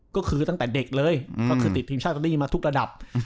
ก็คือตั้งแต่เด็กเลยก็คือติดทีมชาติอิตาลีมาทุกระดับ